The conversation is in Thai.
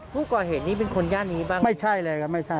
ผู้ก่อเหตุนี้เป็นคนย่านนี้บ้างไม่ใช่เลยครับไม่ใช่